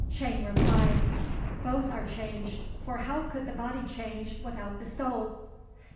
Chang replied, "Both are changed, for how could the body change without the soul?"